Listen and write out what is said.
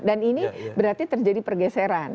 dan ini berarti terjadi pergeseran